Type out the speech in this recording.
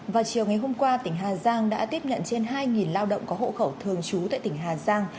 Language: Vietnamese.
vào chiều ngày hôm qua tỉnh hà giang đã tiếp nhận trên hai lao động có hộ khẩu thường trú tại tỉnh hà giang